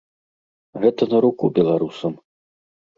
Гэта на руку беларусам.